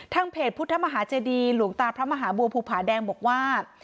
เพจพุทธมหาเจดีหลวงตาพระมหาบัวภูผาแดงบอกว่า